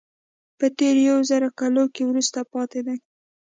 په تېرو یو زر کلونو کې وروسته پاتې ده.